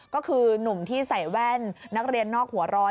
ก็คือหนุ่มที่ใส่แว่นนักเรียนนอกหัวร้อน